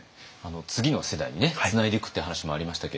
次の世代にねつないでいくっていう話もありましたけれども